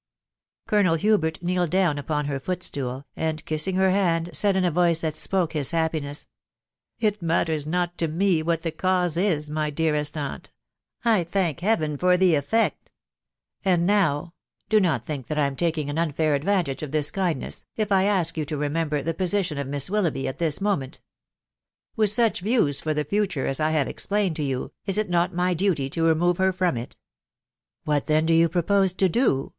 * Colonel Hubert kneeled down 'upon lier "footstool, and Kiss ing her hand, said, in a voice that spoke his happiness, " It matters not to me what the cause is, my dearest aunt. ... I thank Heaven for *flie effect !.... and now .... do not think that I am taking an unfair advantage of thk kindness, if I ask you to remember flie position tif Miss Wilioughby at this moment. Ivlth nach views for *fhe 'future as I have explained to you, is it not my duty to remove her 'from it ?What then do you propose to do.?"